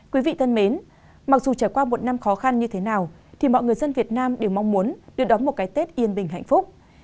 quý vị thân mến mặc dù trải qua một năm khó khăn như thế nào thì mọi người dân việt nam đều mong muốn được đóng một cái tết yên bình hạnh phúc